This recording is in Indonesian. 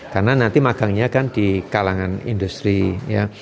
karena nanti magangnya kan di kalangan industri ya